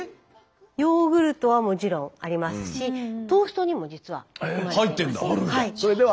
ヨーグルトはもちろんありますしトーストにも実は含まれています。